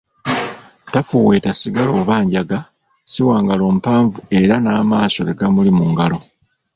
Tafuweeta sigala oba njaga, si wangalo mpanvu era n'amaaso tegamuli mu ngalo.